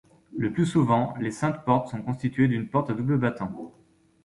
Le plus souvent, les Saintes Portes sont constituées d'une porte à double battant.